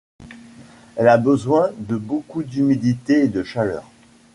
Elle a besoin de beaucoup d'humidité et de chaleur.